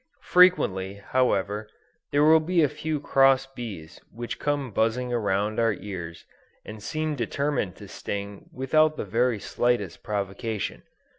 Frequently, however, there will be a few cross bees which come buzzing around our ears, and seem determined to sting without the very slightest provocation.